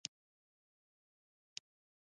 د الوتکې لوېدل په هانګ کې کې.